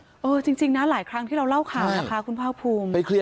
เออจริงนะหลายครั้งที่เราเล่าข่าวนะคะคุณภาคภูมิ